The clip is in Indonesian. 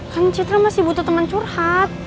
kan citra masih butuh teman curhat